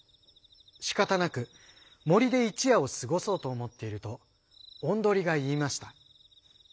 しかたなくもりでいちやをすごそうとおもっているとオンドリがいいました。